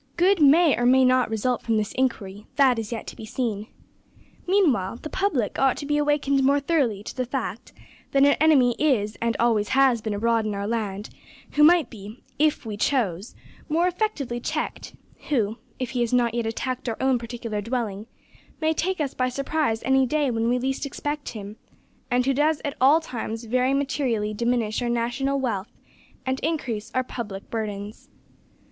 Good may or may not result from this inquiry: that is yet to be seen. Meanwhile, the public ought to be awakened more thoroughly to the fact that an enemy is and always has been abroad in our land, who might be, if we chose, more effectively checked; who, if he has not yet attacked our own particular dwelling, may take us by surprise any day when we least expect him, and who does at all times very materially diminish our national wealth and increase our public burdens.